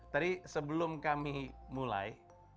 tadi sebelum kami mulai